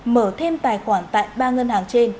mở thêm tài khoản tại ba ngân hàng